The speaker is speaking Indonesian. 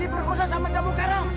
dia habis diperkosa sama jamu karo